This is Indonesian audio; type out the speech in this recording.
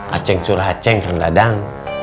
acing surah acing kan ladang